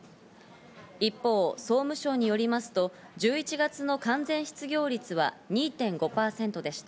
一方、総務省によりますと１１月の完全失業率は２．５％でした。